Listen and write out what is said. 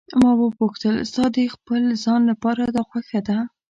ما وپوښتل: ستا د خپل ځان لپاره دا خوښه ده.